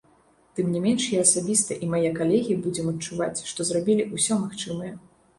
Тым не менш, я асабіста і мае калегі будзем адчуваць, што зрабілі ўсё магчымае.